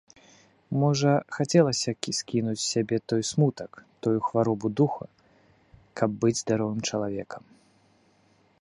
Можа, хацелася скінуць з сябе той смутак, тую хваробу духа, каб быць здаровым чалавекам?